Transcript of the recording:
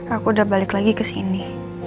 aku udah balik lagi kesini